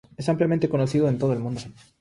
Es ampliamente conocido en todo el mundo.